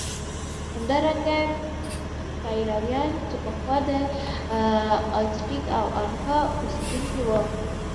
همدارنګه پیرویان چې پخوا د ازتېک او انکا اوسېدونکي وو.